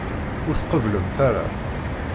Ur tqebblemt ara.